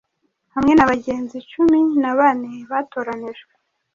Hamwe nabagenzi cumi na bane batoranijwe